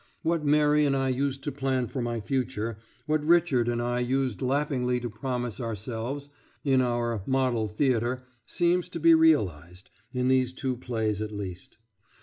What Mary and I used to plan for my future, what Richard and I used laughingly to promise ourselves in "our model theatre," seems to be realised in these two plays, at least.